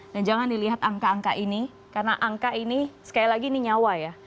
dan jangan dilihat angka angka ini karena angka ini sekali lagi ini nyawa ya